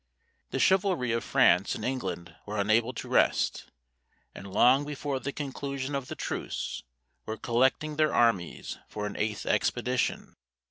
The chivalry of France and England were unable to rest, and long before the conclusion of the truce, were collecting their armies for an eighth expedition.